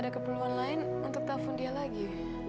kita ada keperluan lain untuk telepon dia lagi